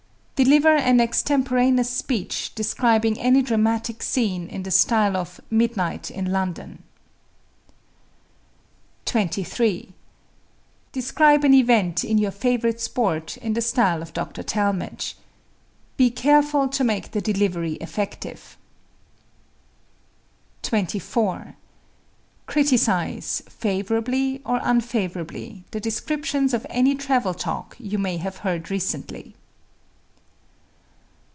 Deliver an extemporaneous speech describing any dramatic scene in the style of "Midnight in London." 23. Describe an event in your favorite sport in the style of Dr. Talmage. Be careful to make the delivery effective. 24. Criticise, favorably or unfavorably, the descriptions of any travel talk you may have heard recently.